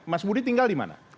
mas budi tinggal di mana